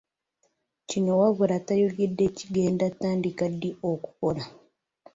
Kino wabula tayogedde kigenda kutandika ddi okukola.